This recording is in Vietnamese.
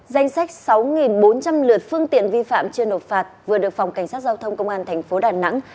danh sách sáu bốn trăm linh lượt phương tiện vi phạm chưa nộp phạt vừa được phòng cảnh sát giao thông công an thành phố đà nẵng